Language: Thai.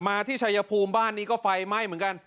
ที่ชายภูมิบ้านนี้ก็ไฟไหม้เหมือนกัน